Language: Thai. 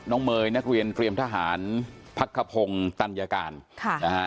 เมย์นักเรียนเตรียมทหารพักขพงศ์ตัญญาการค่ะนะฮะ